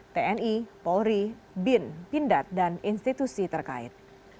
tni polri bin pindad dan institusi terkait